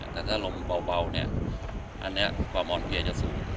แต่ถ้าลมเบาเนี่ยอันนี้ความอ่อนเพลียจะสูง